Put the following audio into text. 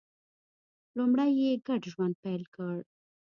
لومړی یې ګډ ژوند پیل کړ